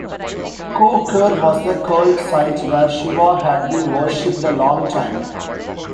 Koh Ker was a cult site where Shiva had been worshipped a long time.